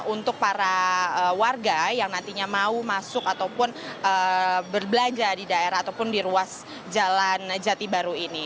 untuk para warga yang nantinya mau masuk ataupun berbelanja di daerah ataupun di ruas jalan jati baru ini